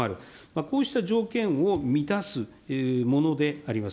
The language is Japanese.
こうした条件を満たすものであります。